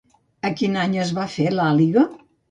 A quin any es va fer l'àliga?